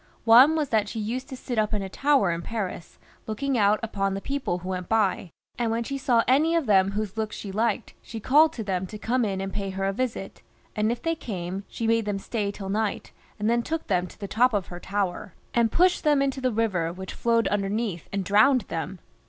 One was how she used to sit up in a tower in Paris, looking out upon the people who went by, and when she saw any one whose looks she liked, she called to them to come in and pay her a visit ; and if they came, she made them stay till night, and then took them to the top of her tower, and pushed them into the river which flowed underneath, and drowned them.